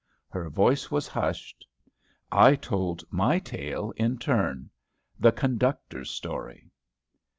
Her voice was hushed. I told my tale in turn. THE CONDUCTOR'S STORY.